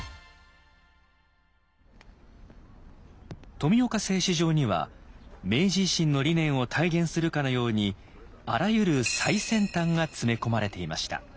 富岡製糸場には明治維新の理念を体現するかのようにあらゆる「最先端」が詰め込まれていました。